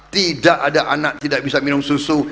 tidak ada anak tidak bisa minum susu